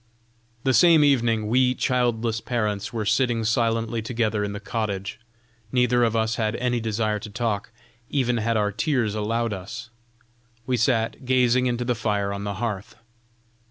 "The same evening we, childless parents, were sitting silently together in the cottage; neither of us had any desire to talk, even had our tears allowed us. We sat gazing into the fire on the hearth.